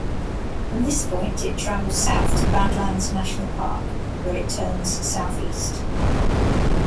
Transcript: From this point, it travels south to Badlands National Park, where it turns southeast.